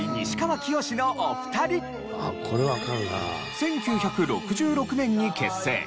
１９６６年に結成。